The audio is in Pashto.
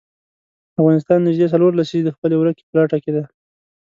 افغانستان نژدې څلور لسیزې د خپلې ورکې په لټه کې دی.